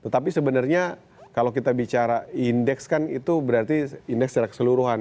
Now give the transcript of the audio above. tetapi sebenarnya kalau kita bicara index kan itu berarti index dari keseluruhan